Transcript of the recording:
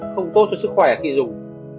cũng tốt cho sức khỏe khi dùng